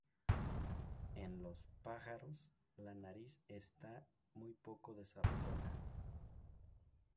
En los pájaros, la nariz está muy poco desarrollada.